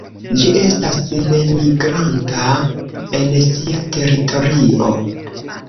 Ĝi estas nemigranta en sia teritorio.